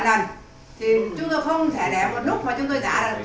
thì chúng tôi không thể để một nút mà chúng tôi giả được